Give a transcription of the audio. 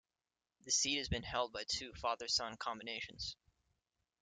The seat has been held by two father-son combinations.